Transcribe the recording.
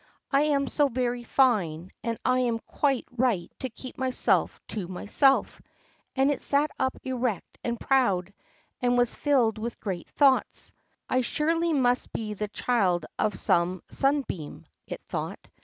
I am so very fine, and I am quite right to keep myself to myself," and it sat up erect and proud, and was filled with great thoughts. "I surely must be the child of some sunbeam," it thought.